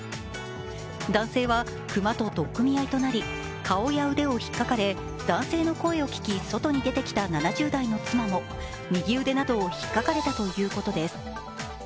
男性は熊と取っ組み合いとなり、顔や腕をひっかかれ、男性の声を聞き外に出てきた７０代の妻も右腕などをひっかかれたということです。